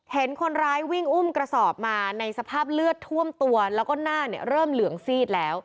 เห็นคนร้ายวิ่งอุ้มกระสอบมา